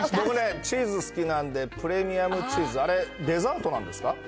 僕ね、チーズ好きなんで、プレミアムチーズ、あれ、デザートなんですか？